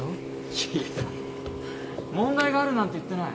いや問題があるなんて言ってない。